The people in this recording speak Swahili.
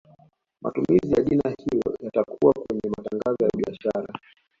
Matumizi ya jina hilo yatakuwa kwenye matangazo ya biashara